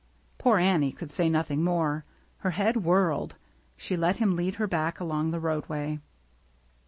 Poor Annie could say nothing more. Her head whirled. She let him lead her back along the roadway.